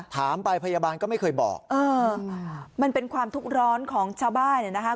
ถามไปพยาบาลก็ไม่เคยบอกเออมันเป็นความทุกข์ร้อนของชาวบ้านเนี่ยนะคะ